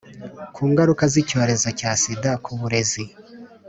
ku ngaruka z'icyorezo cya sida ku burezi.